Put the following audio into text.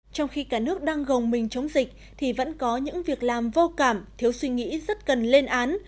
trong khi cả nước đang gồng mình chống dịch thì vẫn có những việc làm vô cảm thiếu suy nghĩ rất cần lên án